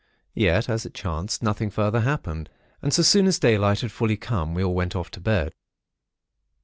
"Yet, as it chanced, nothing further happened; and so soon as daylight had fully come, we all went off to bed.